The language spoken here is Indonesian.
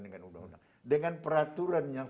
dengan undang undang dengan peraturan yang